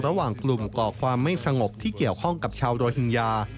ระหว่างกลุ่มก่อความไม่สงบที่เกี่ยวข้องกับชาวโรฮิงญา